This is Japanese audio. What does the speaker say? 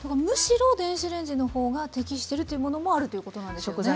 むしろ電子レンジの方が適してるというものもあるということなんですよね。